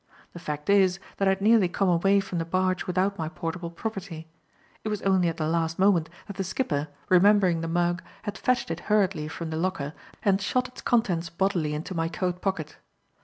The fact is, that I had nearly come away from the barge without my portable property. It was only at the last moment that the skipper, remembering the mug, had fetched it hurriedly from the locker and shot its contents bodily into my coat pocket.